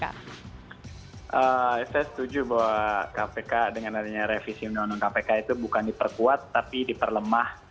saya setuju bahwa kpk dengan adanya revisi undang undang kpk itu bukan diperkuat tapi diperlemah